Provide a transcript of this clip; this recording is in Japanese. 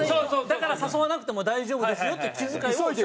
だから誘わなくても大丈夫ですよっていう気遣いを。